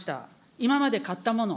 今まで買ったもの。